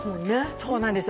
そうなんですよ。